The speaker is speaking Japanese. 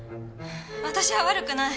私は悪くない。